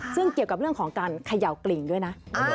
ซึ่งเกี่ยวกับเรื่องของการเขย่ากลิ่งด้วยนะ